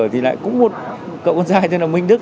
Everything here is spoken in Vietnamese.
thì lại cũng cậu con trai tên là minh đức